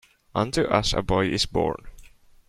Unto us a boy is born.